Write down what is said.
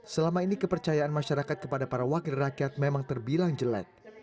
selama ini kepercayaan masyarakat kepada para wakil rakyat memang terbilang jelek